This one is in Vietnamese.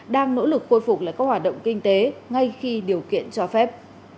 đang nỗ lực khôi phục lại các hoạt động kinh tế ngay khi điều kiện cho phép